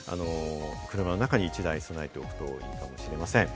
車の中に１台備えておくといいかもしれません。